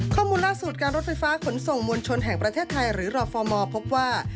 ข้อมูลล่าสุดการรถไฟฟ้าขนส่งมวลชนแห่งประเทศไทยหรือรอฟอร์มพบว่า